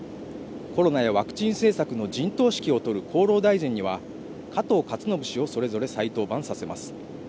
コロナやワクチン政策の陣頭指揮を執る厚労大臣には加藤勝信氏をそれぞれ再登板させます